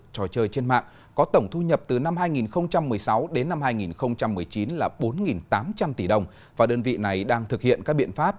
trò chơi trên mạng có tổng thu nhập từ năm hai nghìn một mươi sáu đến năm hai nghìn một mươi chín là bốn tám trăm linh tỷ đồng và đơn vị này đang thực hiện các biện pháp